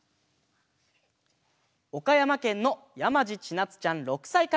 おかやまけんのやまじちなつちゃん６さいから。